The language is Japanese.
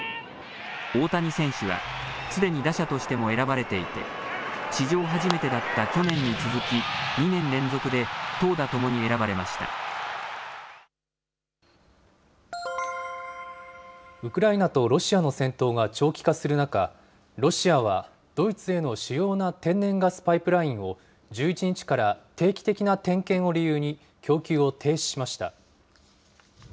大谷選手は、すでに打者としても選ばれていて、史上初めてだった去年に続き、２年連続で投打ともウクライナとロシアの戦闘が長期化する中、ロシアはドイツへの主要な天然ガスパイプラインを、１１日から定期的な点検を理由に、供給を停止しました。